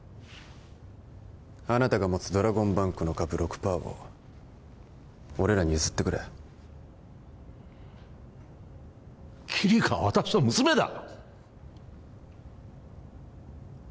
あなたが持つドラゴンバンクの株６％を俺らに譲ってくれキリカは私の娘だ！